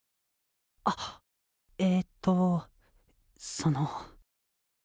あっえとその。